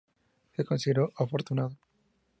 Me considero afortunado.